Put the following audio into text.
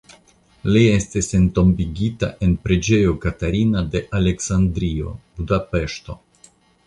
Li estis entombigita en Preĝejo Katarina de Aleksandrio (Budapeŝto).